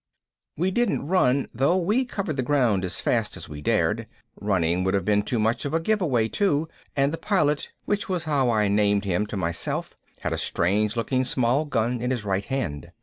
We didn't run though we covered the ground as fast as we dared running would have been too much of a give away too, and the Pilot, which was how I named him to myself, had a strange looking small gun in his right hand.